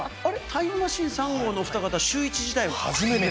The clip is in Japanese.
タイムマシーン３号のお二方、シューイチは初めて？